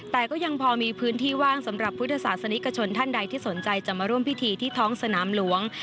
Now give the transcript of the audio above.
แต่ก็ยังพอมีพื้นที่ว่างสำหรับพุทธศาสนิกชนท่านใดที่สนใจจะมาร่วมพิธีที่ท้องสนามหลวง